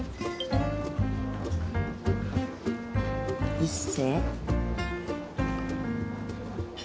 一星？